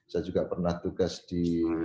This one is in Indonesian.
saya juga pernah tugas di